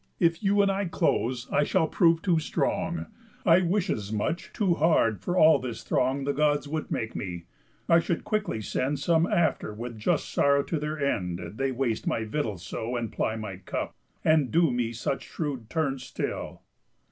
If you and I close, I shall prove too strong. I wish as much too hard for all this throng The Gods would make me, I should quickly send Some after with just sorrow to their end, They waste my victuals so, and ply my cup, And do me such shrewd turns still."